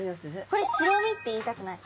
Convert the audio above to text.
これ白身って言いたくなる。